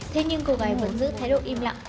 thế nhưng cô gái vẫn giữ thái độ im lặng